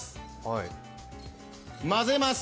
混ぜます。